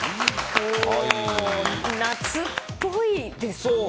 夏っぽいですね。